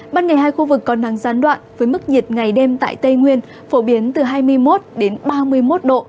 ban ngày hai khu vực có nắng gián đoạn với mức nhiệt ngày đêm tại tây nguyên phổ biến từ hai mươi một ba mươi một độ